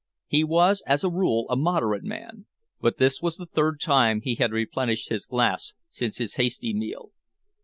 He was, as a rule, a moderate man, but this was the third time he had replenished his glass since his hasty meal.